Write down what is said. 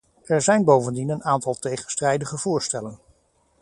Er zijn bovendien een aantal tegenstrijdige voorstellen.